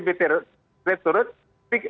tapi kita masih perlu kerja keras untuk mencapai